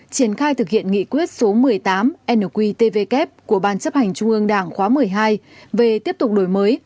triển khai thực hiện nghị quyết số một mươi tám nqtvk của ban chấp hành trung ương đảng khóa một mươi hai về tiếp tục đổi mới